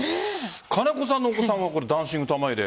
金子さんのお子さんはダンシング玉入れ